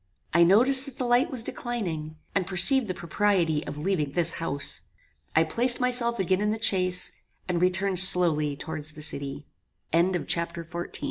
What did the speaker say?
I noticed that the light was declining, and perceived the propriety of leaving this house. I placed myself again in the chaise, and returned slowly towards the city. Chapter XV Befo